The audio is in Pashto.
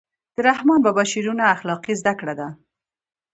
د رحمان بابا شعرونه اخلاقي زده کړه ده.